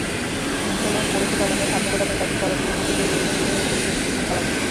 ধুনট পৌরসভা এলাকায় খাদ্যগুদামের কাছে সড়কের গতিরোধকের সঙ্গে মোটরসাইকেলটি ধাক্কা লাগে।